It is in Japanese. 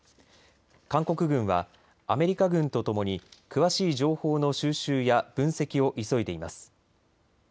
韓国軍はアメリカ軍とともに詳しい情報の収集や分析を急いでいます。